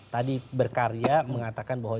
tadi berkarya mengatakan bahwa